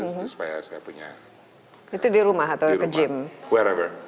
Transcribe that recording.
itu di rumah atau ke gym